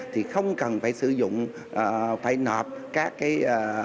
thì không cần phải sử dụng phải nộp các minh dịch